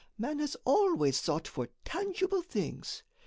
Man has always sought for tangible things.